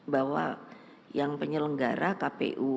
bahwa yang penyelenggara kpu